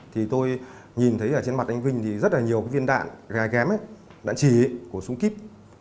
thì tôi nhìn thấy ở trên mặt anh vinh thì rất là nhiều cái viên đạn gài ghém ấy đạn trì của súng kíp